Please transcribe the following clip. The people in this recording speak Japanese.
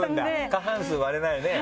過半数割れないね